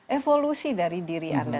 evolusi dari diri anda